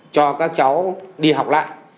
cho các cháu đi học lại